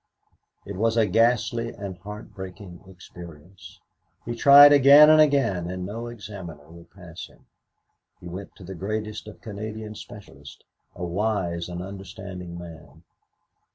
It was a ghastly and heart breaking experience. He tried again and again, and no examiner would pass him. He went to the greatest of Canadian specialists a wise and understanding man.